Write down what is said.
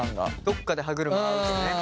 どっかで歯車合うとね。